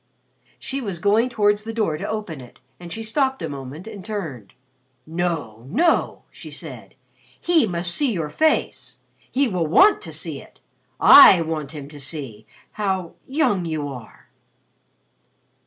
She was going towards the door to open it and she stopped a moment and turned. "No, no!" she said. "He must see your face. He will want to see it. I want him to see how young you are."